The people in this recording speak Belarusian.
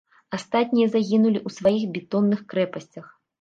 Астатнія загінулі ў сваіх бетонных крэпасцях.